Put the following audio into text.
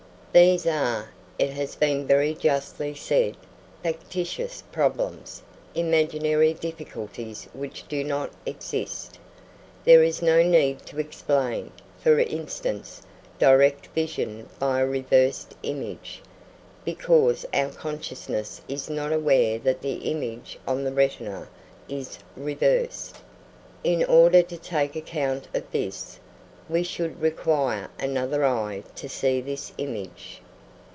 These are, it has been very justly said, factitious problems, imaginary difficulties which do not exist. There is no need to explain, for instance, direct vision by a reversed image, because our consciousness is not aware that the image on the retina is reversed. In order to take account of this, we should require another eye to see this image.